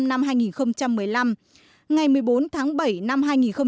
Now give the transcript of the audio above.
ngày một mươi bốn tháng bảy năm hai nghìn một mươi bốn